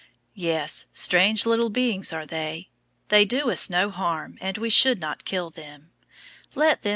Yes, strange little beings are they. They do us no harm and we should not kill them.